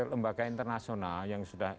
lembaga internasional yang sudah